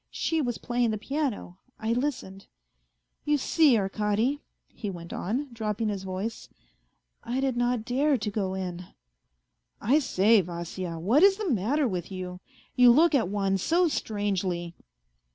She was playing the piano, I listened. You see, Arkady," he went on, dropping his voice, " I did not dare to go in." " I say, Vasya what is the matter with you ? You look at one so strangely."